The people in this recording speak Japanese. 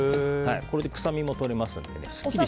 これで臭みも取れますのですっきりと。